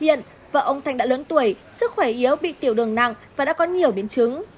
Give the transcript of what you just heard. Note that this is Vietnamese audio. hiện vợ ông thanh đã lớn tuổi sức khỏe yếu bị tiểu đường nặng và đã có nhiều biến chứng